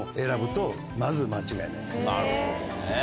なるほどね。